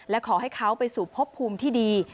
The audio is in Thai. และขอให้เขาไปสู่พบภูมิที่ดี